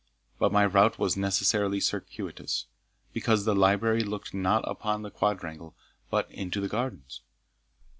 But my route was necessarily circuitous, because the library looked not upon the quadrangle, but into the gardens.